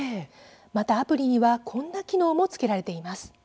また、アプリにはこんな機能もつけられています。